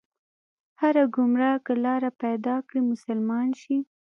هر ګمراه که لار پيدا کړي، مسلمان شي